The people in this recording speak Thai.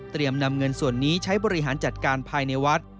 นำเงินส่วนนี้ใช้บริหารจัดการภายในวัด